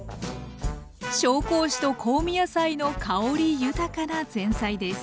紹興酒と香味野菜の香り豊かな前菜です。